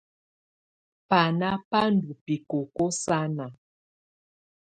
Banà bà ndù bikoko sanà.